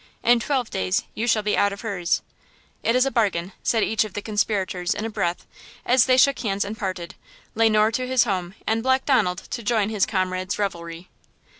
In twelve days you shall be out of hers!" "It is a bargain," said each of the conspirators, in breath, as they shook hands and parted–Le Noir to his home and Black Donald to join his comrades' revelry.